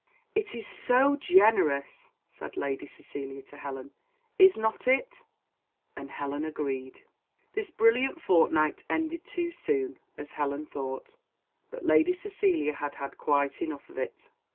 "It is so generous," said Lady Cecilia to Helen; "is not it?" and Helen agreed. This brilliant fortnight ended too soon, as Helen thought, but Lady Cecilia had had quite enough of it.